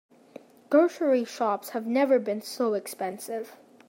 Grocery shops have never been so expensive.